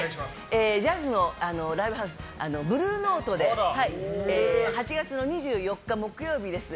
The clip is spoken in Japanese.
ジャズのライブハウスＢＬＵＥＮＯＴＥで８月２４日木曜日です